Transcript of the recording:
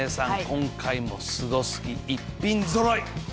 今回もスゴすぎ逸品ぞろい！